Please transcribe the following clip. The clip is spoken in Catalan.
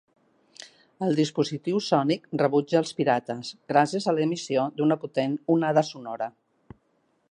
El dispositiu sònic rebutja els pirates, gràcies a l"emissió d"una potent onada sonora.